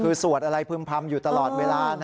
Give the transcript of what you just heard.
คือสวดอะไรพึ่มพำอยู่ตลอดเวลา